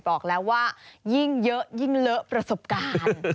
บอกแล้วว่ายิ่งเยอะยิ่งเลอะประสบการณ์